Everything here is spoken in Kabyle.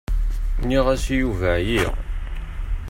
Nniɣ-as i Yuba εyiɣ.